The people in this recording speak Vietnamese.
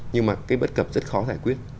nhưng mà cái bất cập rất khó giải quyết